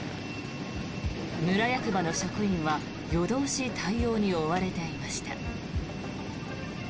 村役場の職員は夜通し対応に追われていました。